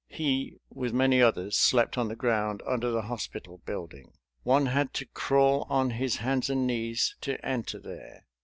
He, with many others, slept on the ground under the hospital building. One had to crawl on his hands and knees to enter there.